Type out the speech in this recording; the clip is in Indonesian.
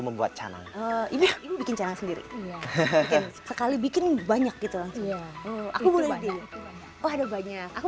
membuat canang ini bikin canang sendiri sekali bikin banyak gitu langsung ya aku boleh jadi oh ada banyak aku